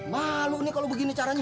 malu nih kalau begini caranya